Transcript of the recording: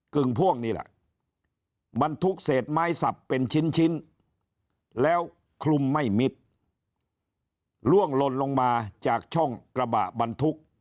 ่งพ่วงนี่แหละบรรทุกเศษไม้สับเป็นชิ้นแล้วคลุมไม่มิดล่วงลนลงมาจากช่องกระบะบรรทุก